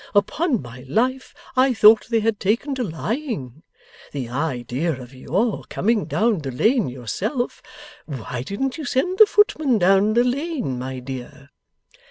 Upon my life, I thought they had taken to lying! The idea of your coming down the Lane yourself! Why didn't you send the footman down the Lane, my dear?